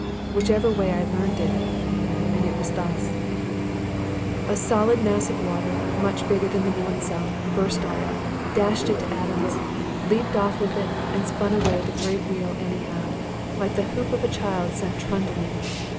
Whichever way I learned it, it was thus: A solid mass of water, much bigger than the mill itself, burst on it, dashed it to atoms, leaped off with it, and spun away the great wheel anyhow, like the hoop of a child sent trundling.